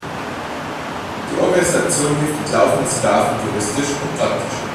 Die Organisation hilft entlaufenen Sklaven juristisch und praktisch.